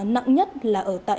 nặng nhất là ở quảng trị